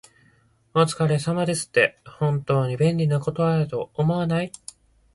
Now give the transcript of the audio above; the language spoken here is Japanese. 「お疲れ様です」って、本当に便利な言葉だと思わない？